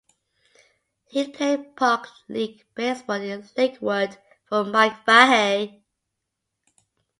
He played park league baseball in Lakewood for Mike Fahey.